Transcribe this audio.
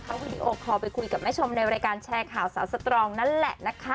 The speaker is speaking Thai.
เขาวิดีโอคอลไปคุยกับแม่ชมในรายการแชร์ข่าวสาวสตรองนั่นแหละนะคะ